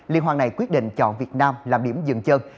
liên hoàng này quyết định chọn việt nam làm điểm dừng chân